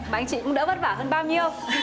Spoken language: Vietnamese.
mà anh chị cũng đỡ vất vả hơn bao nhiêu